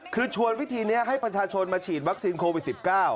คือชวนวิธีนี้ให้ประชาชนมาฉีดวัคซีนโควิด๑๙